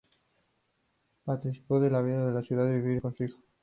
Patricio se va de la ciudad a vivir con su hijo.